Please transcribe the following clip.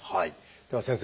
では先生。